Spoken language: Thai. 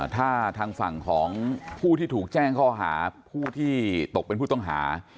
ถ้าทางฝั่งของผู้ที่ถูกแจ้งข้อหาผู้ที่ตกเป็นผู้ต้องหา